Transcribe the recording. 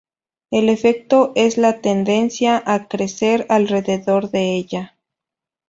El efecto es la tendencia a crecer alrededor de ella.